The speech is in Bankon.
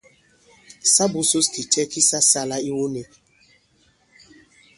Sa būsūs kì cɛ ki sa sālā iwu nīk.